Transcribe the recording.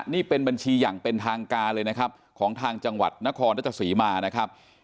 นี่เป็นบัญชีอย่างเป็นทางการเลยนะครับของทางจังหวัดนครรัชศรีมานะครับ